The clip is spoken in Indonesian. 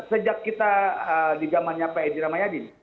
sejak kita di zamannya pak edi ramayadin